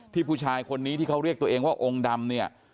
ผู้ชายคนนี้ที่เขาเรียกตัวเองว่าองค์ดำเนี่ย